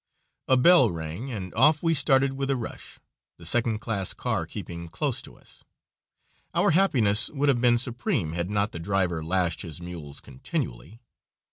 A bell rang, and off we started with a rush, the second class car keeping close to us. Our happiness would have been supreme had not the driver lashed his mules continually.